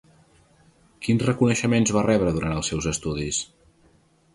Quins reconeixements va rebre durant els seus estudis?